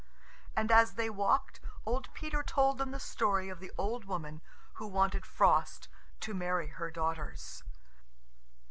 And as they walked, old Peter told them the story of the old woman who wanted Frost to marry her daughters.